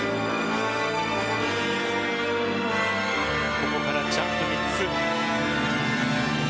ここからジャンプ３つ。